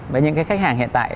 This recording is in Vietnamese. với những cái khách hàng hiện tại